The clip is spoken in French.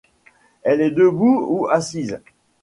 Elle est debout ou assise.